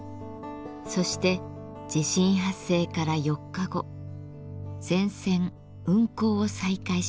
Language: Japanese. そして地震発生から４日後全線運行を再開しました。